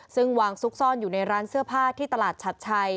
ซึ่งวางซุกซ่อนอยู่ในร้านเสื้อผ้าที่ตลาดชัดชัย